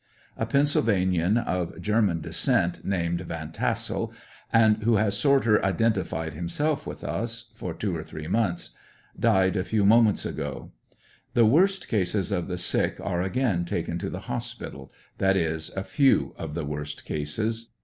A Pennsylvanian of German descent, named Yan Tassel, and who has "sorter identified himself with us" for two or three months, died a few moments ago The w^orst cases of the sick a e again taken to the hospital — that is, a few of the worst cases.